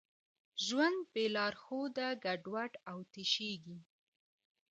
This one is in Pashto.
ژوند بېلارښوده ګډوډ او تشېږي.